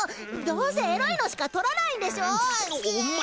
どうせエロいのしか撮らないんでしょお前